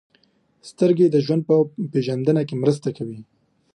• سترګې د ژوند په پېژندنه کې مرسته کوي.